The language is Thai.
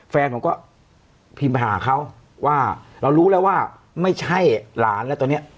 แฟนผมก็พิมพ์ไปหาเขาว่าเรารู้แล้วว่าไม่ใช่หลานแล้วตอนนี้